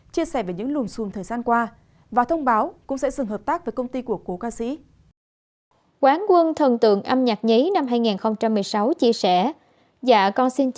chia sẻ về những lùm xùm thời gian qua và thông báo cũng sẽ dừng hợp tác với công ty của cố ca sĩ